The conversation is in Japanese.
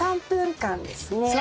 ３分間ですね。